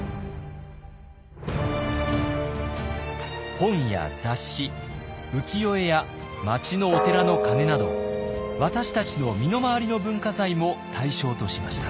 本や雑誌浮世絵や町のお寺の鐘など私たちの身の回りの文化財も対象としました。